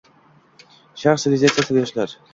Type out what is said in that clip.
Sharq sivilizatsiyasi va yoshlar